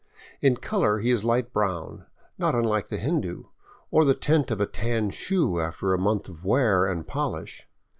In color he is light brown, not unlike the Hindu — or the tint of a tan shoe after a month of wear and polish.